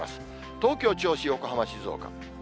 東京、銚子、横浜、静岡。